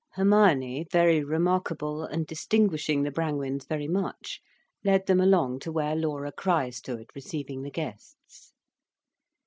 Hermione, very remarkable, and distinguishing the Brangwens very much, led them along to where Laura Crich stood receiving the guests.